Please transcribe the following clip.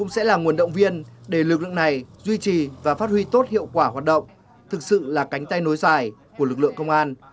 sẽ là nguồn động viên để lực lượng này duy trì và phát huy tốt hiệu quả hoạt động thực sự là cánh tay nối dài của lực lượng công an